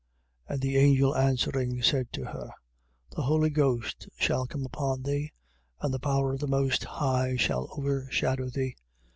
1:35. And the angel answering, said to her: The Holy Ghost shall come upon thee and the power of the Most High shall overshadow thee.